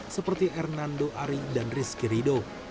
seperti hernando ari dan rizky rido